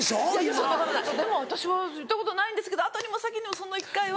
そんなことないでも私は言ったことないんですけど後にも先にもその１回は。